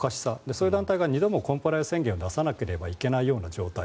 そういう団体が２度もコンプライアンス宣言を出さなければいけないような状況